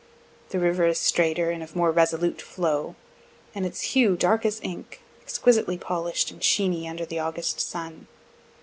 The river is straighter and of more resolute flow, and its hue, though dark as ink, exquisitely polish'd and sheeny under the August sun.